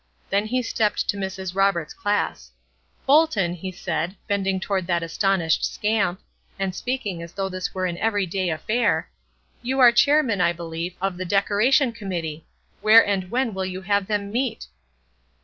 Then he stepped to Mrs. Roberts' class. "Bolton," he said, bending toward that astonished scamp, and speaking as though this were an every day affair, "you are chairman, I believe, of the Decoration Committee; where and when will you have them meet?"